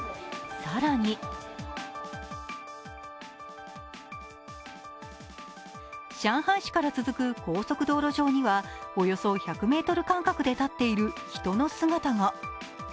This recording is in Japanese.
更に上海市から続く高速道路上にはおよそ１００ｍ間隔で立っている人の姿が。